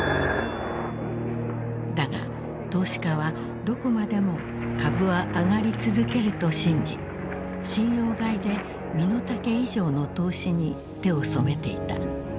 ☎だが投資家はどこまでも株は上がり続けると信じ信用買いで身の丈以上の投資に手を染めていた。